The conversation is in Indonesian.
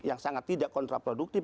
yang sangat tidak kontraproduktif